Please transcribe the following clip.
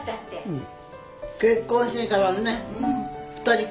うん。